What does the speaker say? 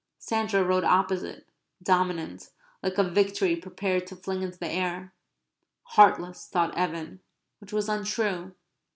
Sandra rode opposite, dominant, like a Victory prepared to fling into the air. "Heartless!" thought Evan (which was untrue).